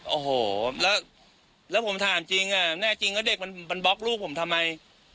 โอ้โหแล้วผมถามจริงแน่จริงว่าเด็กมันบล็อกลูกผมทำไม